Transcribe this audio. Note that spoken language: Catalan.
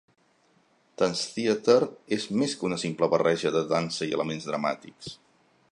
Tanztheater és més que una simple barreja de dansa i elements dramàtics.